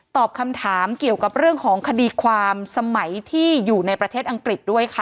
ตอบคำถามเกี่ยวกับเรื่องของคดีความสมัยที่อยู่ในประเทศอังกฤษด้วยค่ะ